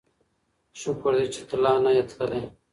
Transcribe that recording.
شکر دی چې ته لا نه یې تللی.